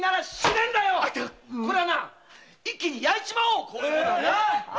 こりゃな一気に焼いちまおう！